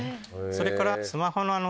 それから。